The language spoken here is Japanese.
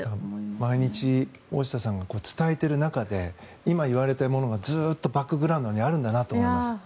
毎日大下さんが伝えている中で今、言われたものがずっとバックグラウンドにあるんだなと思います。